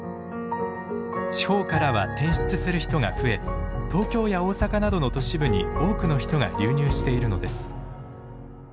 地方からは転出する人が増え東京や大阪などの都市部に多くの人が流入しているのです。